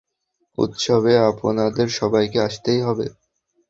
উৎসবে আপনাদের সবাইকে আসতেই হবে।